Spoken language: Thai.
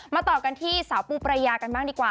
ต่อกันที่สาวปูประยากันบ้างดีกว่า